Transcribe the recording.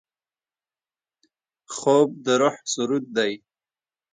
خوب د روح سرود دی